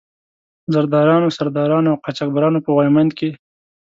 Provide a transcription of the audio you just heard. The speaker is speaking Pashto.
زردارانو، سردارانو او قاچاق برانو په غويمند کې.